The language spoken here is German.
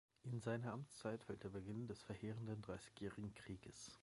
In seine Amtszeit fällt der Beginn des verheerenden Dreißigjährigen Krieges.